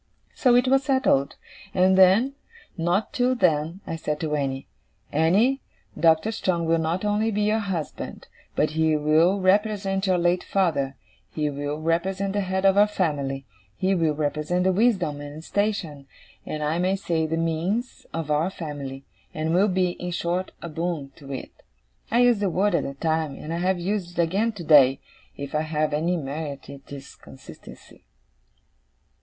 So it was settled. And then, and not till then, I said to Annie, "Annie, Doctor Strong will not only be your husband, but he will represent your late father: he will represent the head of our family, he will represent the wisdom and station, and I may say the means, of our family; and will be, in short, a Boon to it." I used the word at the time, and I have used it again, today. If I have any merit it is consistency.